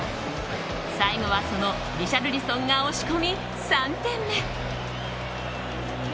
最後は、そのリシャルリソンが押し込み３点目。